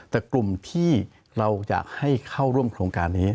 แต่กลุ่มที่เราจะให้เข้าร่วมโครงการนี้